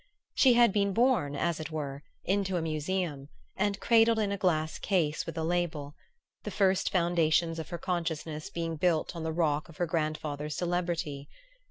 She had been born, as it were, into a museum, and cradled in a glass case with a label; the first foundations of her consciousness being built on the rock of her grandfather's celebrity.